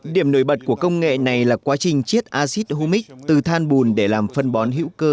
điểm nổi bật của công nghệ này là quá trình chiết acid humic từ than bùn để làm phân bón hữu cơ